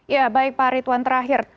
ya baik pak ridwan terakhir